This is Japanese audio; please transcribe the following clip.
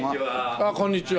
あっこんにちは。